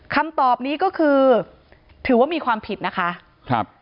คำตอบนี้ก็คือถือว่ามีความผิดนะคะครับ